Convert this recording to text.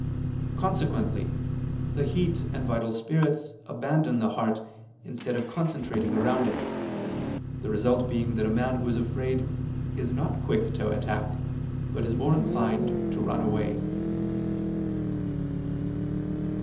Consequently the heat and vital spirits abandon the heart instead of concentrating around it: the result being that a man who is afraid is not quick to attack, but is more inclined to run away.